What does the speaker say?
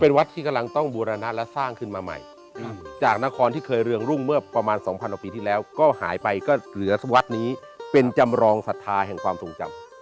เป็นวัดที่กำลังต้องบูรณะและสร้างขึ้นมาใหม่จากนครที่เคยเรืองรุ่งเมื่อประมาณ๒๐๐กว่าปีที่แล้วก็หายไปก็เหลือวัดนี้เป็นจำรองศรัทธาแห่งความทรงจำ